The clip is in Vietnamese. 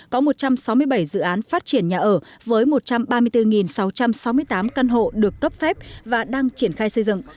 có một trăm sáu mươi bảy dự án phát triển nhà ở với một trăm ba mươi bốn sáu trăm sáu mươi tám căn hộ được cấp phép và đang triển khai xây dựng